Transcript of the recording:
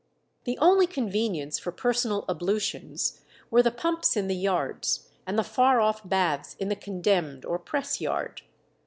The only convenience for personal ablutions were the pumps in the yards, and the far off baths in the condemned or press yard.